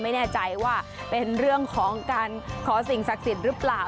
ไม่แน่ใจว่าเป็นเรื่องของการขอสิ่งศักดิ์สิทธิ์หรือเปล่า